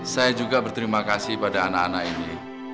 saya juga berterima kasih pada anak anak ini